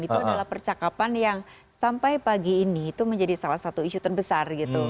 itu adalah percakapan yang sampai pagi ini itu menjadi salah satu isu terbesar gitu